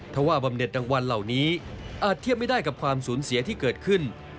ถ้าว่าบำเด็ดรางวัลเหล่านี้อาจเทียบไม่ได้กับความสูญเสียที่เกิดขึ้น